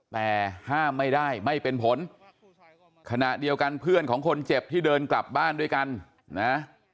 แต่ห้ามไม่ได้ไม่เป็นผลขณะเดียวกันเพื่อนของคนเจ็บที่เดินกลับบ้านด้วยกันนะ